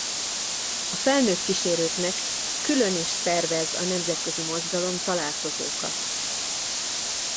A felnőtt kísérőknek külön is szervez a nemzetközi mozgalom találkozókat.